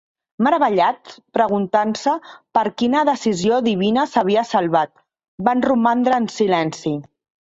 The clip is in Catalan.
Meravellats, preguntant-se per quina decisió divina s'havia salvat, van romandre en silenci.